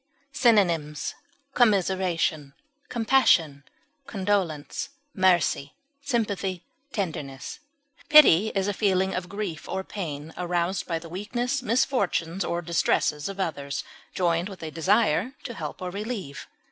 Synonyms: commiseration, condolence, sympathy, tenderness. compassion, mercy, Pity is a feeling of grief or pain aroused by the weakness, misfortunes, or distresses of others, joined with a desire to help or relieve.